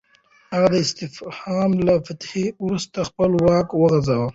هغه د اصفهان له فتحې وروسته خپل واک وغځاوه.